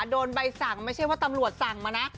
โดนใบสั่งไม่ใช่ว่าตำรวจสั่งมานะ